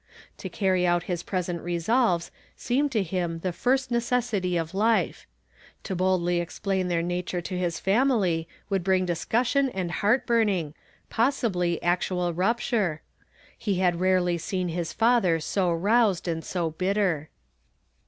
To carry out his present resolves seemed to him the fn st neces sity of life; to boldly explain their nature to his family would bring discussion and heart burning, "THERE IS NO UEAUTY M 183 4 possibly actual rupture; he had rarely seen liis father so roused and so bitter.